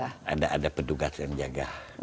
ini kan ada petugas yang jaga